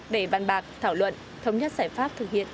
để bàn bạc thảo luận thống nhất giải pháp thực hiện